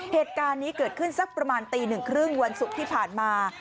เหตุการณ์นี้เกิดขึ้นสักประมาณตีหนึ่งครึ่งวันศุกร์ที่ผ่านมา